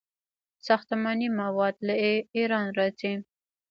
ساختماني مواد له ایران راځي.